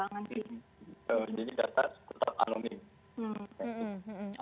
jadi data tetap alami